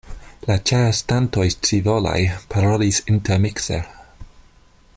La ĉeestantoj scivolaj parolis intermikse: